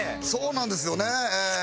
そうなんですよね。